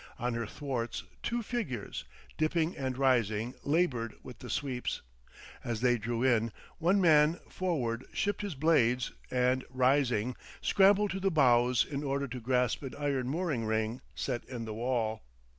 On her thwarts two figures, dipping and rising, labored with the sweeps. As they drew in, the man forward shipped his blades, and rising, scrambled to the bows in order to grasp an iron mooring ring set in the wall.